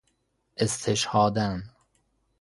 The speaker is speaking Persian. استشهاداً